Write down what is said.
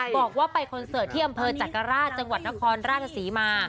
บอกว่าไปคนเสิร์ทที่อัมเภอจักรรลุจังหวัดนครร่าศสีที่อ่ะ